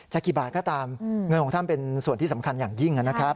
กี่บาทก็ตามเงินของท่านเป็นส่วนที่สำคัญอย่างยิ่งนะครับ